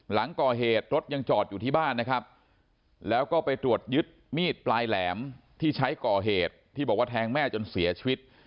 หลังก่อเหตุรถยังจอดอยู่ที่บ้านนะครับแล้วก็ไปตรวจยึดมีดปลายแหลมที่ใช้ก่อเหตุที่บอกว่าแทงแม่จนเสียชีวิต